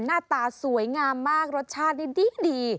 หน้าตาสวยงามมากรสชาตินี่ดี